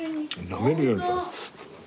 なめるように。